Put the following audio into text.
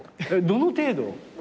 どの程度？